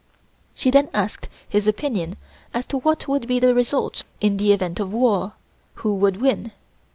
She then asked his opinion as to what would be the result in the event of war who would win.